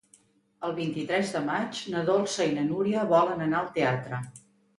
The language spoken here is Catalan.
El vint-i-tres de maig na Dolça i na Núria volen anar al teatre.